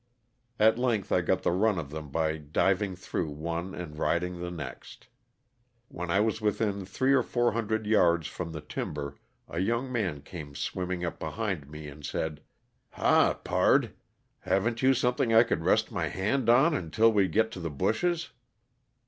At length I got the run of them by diving through one and riding the next. When I was within three or four hundred yards from the timber a young man came swimming up behind me and said, '*ha ! pard, haven't you something I could rest my hand on until we get to the bushes?''